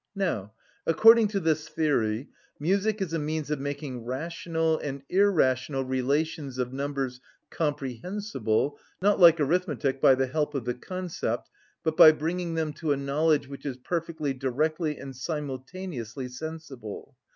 Now, according to this theory, music is a means of making rational and irrational relations of numbers comprehensible, not like arithmetic by the help of the concept, but by bringing them to a knowledge which is perfectly directly and simultaneously sensible.